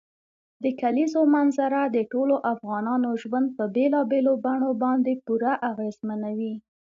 د کلیزو منظره د ټولو افغانانو ژوند په بېلابېلو بڼو باندې پوره اغېزمنوي.